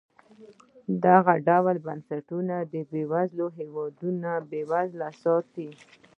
دغه ډول بنسټونه بېوزله هېوادونه بېوزله ساتي.